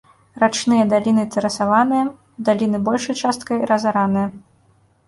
Рачныя даліны тэрасаваныя, даліны большай часткай разараныя.